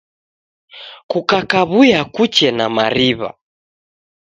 Kukuaw'uya kuche na mariw'a